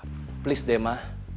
tolong deh ma